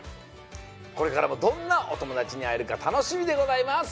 これからもどんなおともだちにあえるかたのしみでございます！